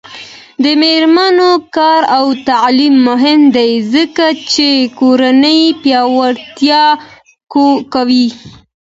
د میرمنو کار او تعلیم مهم دی ځکه چې کورنۍ پیاوړتیا کوي.